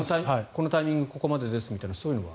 このタイミングここまでですみたいなのは？